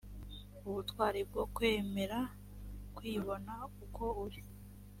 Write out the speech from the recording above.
ubutwari bwo kwemera kwibona uko uri